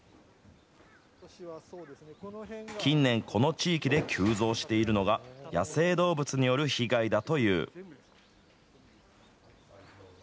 近年、この地域で急増しているのが、野生動物による被害だという。